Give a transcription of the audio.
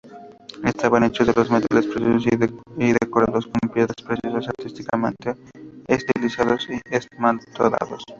Estaban hechos de metales preciosos y decorados con piedras preciosas, artísticamente estilizados y esmaltados.